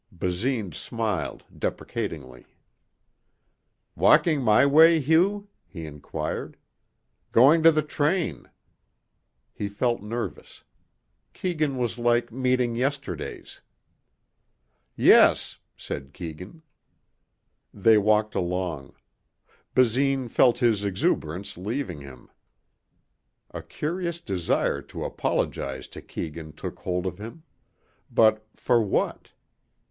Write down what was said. Basine smiled deprecatingly. "Walking my way, Hugh?" he inquired. "Going to the train." He felt nervous. Keegan was like meeting yesterdays. "Yes," said Keegan. They walked along. Basine felt his exhuberance leaving him. A curious desire to apologize to Keegan took hold of him. But for what?